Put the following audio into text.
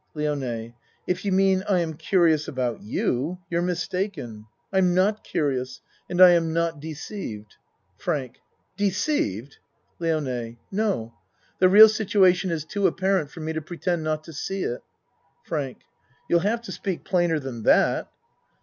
LIONE If you mean I am curious about you, you're mistaken. I'm not curious and I am not ACT II f 5 deceived. FRANK Deceived ? LIONE No. The real situation is too apparent for me to pretend not to see it. FRANK You'll have to speak plainer than that.